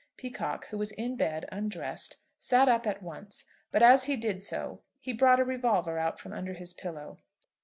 Peacocke, who was in bed undressed, sat up at once; but as he did so he brought a revolver out from under his pillow.